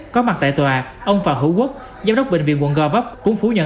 có mặt tại tòa ông phạm hữu quốc giám đốc bệnh viện quận gò vấp cũng phủ nhận